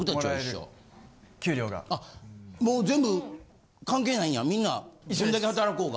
あもう全部関係ないんやみんなどんだけ働こうが。